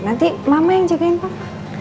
nanti lama yang jagain pak